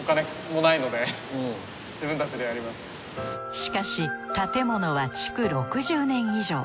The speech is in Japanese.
しかし建物は築６０年以上。